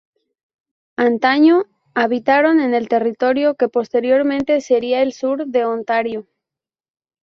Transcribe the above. Antaño, habitaron en el territorio que posteriormente sería el sur de Ontario.